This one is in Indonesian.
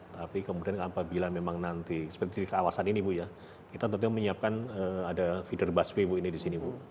tapi kemudian apabila memang nanti seperti di kawasan ini bu ya kita tentunya menyiapkan ada feeder busway bu ini di sini bu